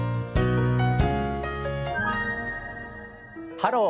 「ハロー！